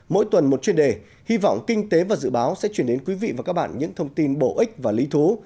mỗi tuần một chuyên đề hy vọng kinh tế và dự báo sẽ chuyển đến quý vị và các bạn những thông tin bổ ích và lý thú